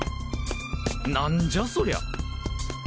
なんじゃそりゃ。